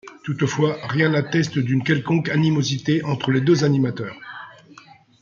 Toutefois rien n'atteste d'une quelconque animosité entre les deux animateurs.